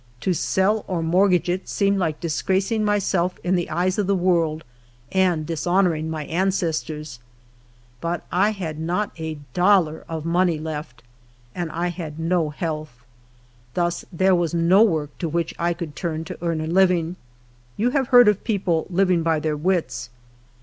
To sell or mortgage it seemed like disgracing myself in the eyes of the world and dishonoring my an cestors. But I had not a dollar of money left, and I had no health. Thus there was no work to which I could turn to earn a living. You have heard of people '' living by their wits."